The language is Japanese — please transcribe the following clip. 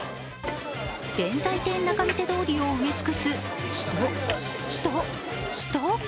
弁財天仲見世通りを埋め尽くす人、人、人。